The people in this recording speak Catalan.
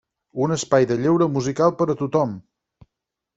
Un espai de lleure musical per a tothom.